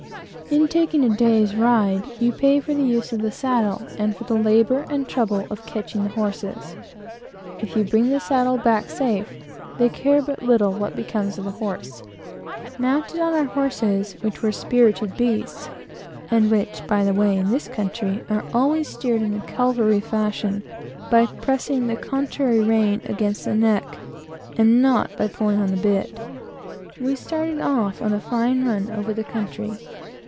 In taking a day's ride, you pay for the use of the saddle, and for the labor and trouble of catching the horses. If you bring the saddle back safe, they care but little what becomes of the horse. Mounted on our horses, which were spirited beasts, and which, by the way, in this country, are always steered by pressing the contrary rein against the neck, and not by pulling on the bit, we started off on a fine run over the country.